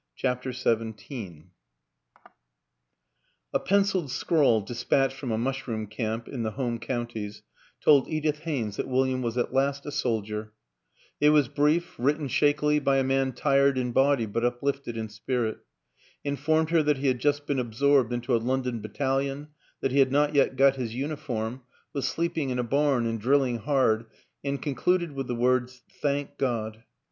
CHAPTER XVII A PENCILED scrawl dispatched from a mushroom camp in the H'ome Counties told Edith Haynes that William was at last a soldier; it was brief, written shakily by a man tired in body but uplifted in spirit, informed her that he had just been absorbed into a London battalion, that he had not yet got his uniform, was sleeping in a barn and drilling hard and concluded with the words " Thank God